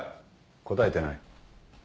応えてない。